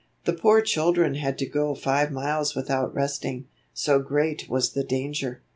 The poor children had to go five miles without resting, so great was the danger.